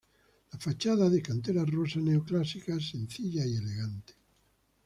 La fachada de cantera rosa, neoclásica sencilla y elegante.